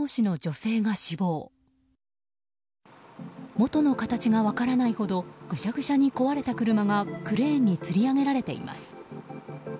元の形が分からないほどぐしゃぐしゃに壊れた車がクレーンにつり上げられています。